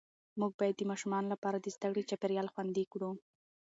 موږ باید د ماشومانو لپاره د زده کړې چاپېریال خوندي کړو